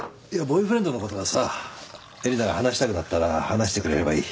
ボーイフレンドのことはさえりなが話したくなったら話してくれればいい。